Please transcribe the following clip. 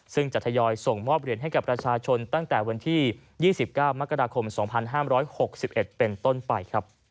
ซึ่งจะทยอยส่งมอบเหรียญให้กับประชาชนตั้งแต่วันที่๒๙มกราคม๒๕๖๑เป็นต้นไป